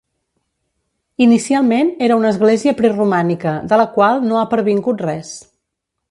Inicialment era una església preromànica de la qual no ha pervingut res.